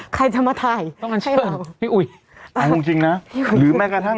ใครจะมาถ่ายต้องการเชิญให้เราพี่อุ๋ยเอาจริงจริงนะหรือแม้กระทั่ง